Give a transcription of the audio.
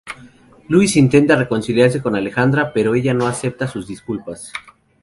Luis intenta reconciliarse con Alejandra, pero ella no acepta sus disculpas.